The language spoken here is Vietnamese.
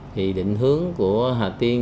thì định hướng của hà tiên